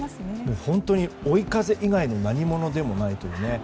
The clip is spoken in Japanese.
本当に追い風以外の何物でもないという。